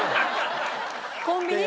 コンビニ？